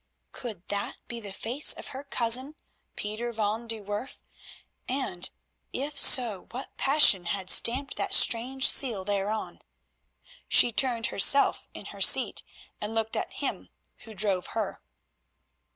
Could that be the face of her cousin Pieter van de Werff, and, if so, what passion had stamped that strange seal thereon? She turned herself in her seat and looked at him who drove her.